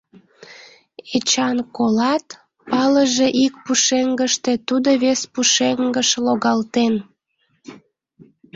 Эчан, колат, палыже ик пушеҥгыште, тудо вес пушеҥгыш логалтен.